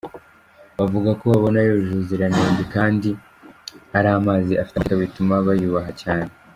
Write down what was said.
Bavuga ko babona yujuje ubuziranenge kandi ari amazi afite amateka, bituma bayubaha cyane.